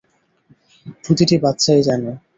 প্রতিটা বাচ্চাই জানে।